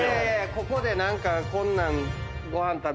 ここで何かこんなん。